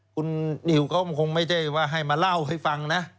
คุณนิวก็คงไม่ใช่ว่าให้มาเล่าให้ฟังนะ